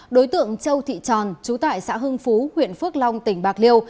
đối tượng châu thị tròn chú tại xã hưng phú huyện phước long tỉnh bạc liêu